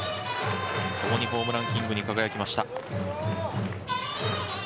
共にホームランキングに輝きました。